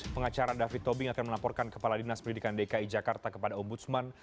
pengacara david tobing akan melaporkan kepala dinas pendidikan dki jakarta kepada ombudsman